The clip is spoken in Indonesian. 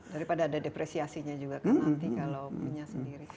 daripada ada depresiasinya juga kan nanti kalau punya sendiri